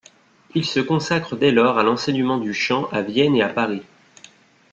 Il se consacre dès lors à l'enseignement du chant à Vienne et à Paris.